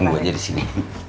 tunggu aja disini